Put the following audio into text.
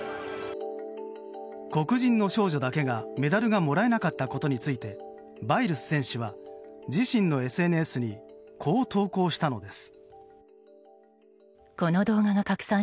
黒人の少女だけがメダルがもらえなかったことについてバイルス選手は自身のＳＮＳにこう投稿したのです。